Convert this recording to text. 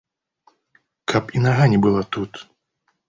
Каб і нага не была тут!